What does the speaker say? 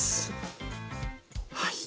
はい！